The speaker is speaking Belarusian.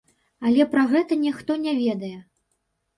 Але пра гэта ніхто не ведае.